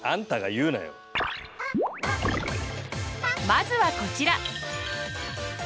まずはこちら！